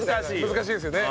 難しいですよね。